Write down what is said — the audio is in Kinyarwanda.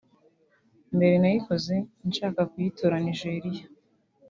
mbere nayikoze nshaka kuyitura Nigeria